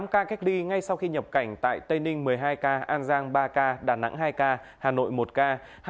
năm ca cách ly ngay sau khi nhập cảnh tại tây ninh một mươi hai ca an giang ba ca đà nẵng hai ca hà nội một ca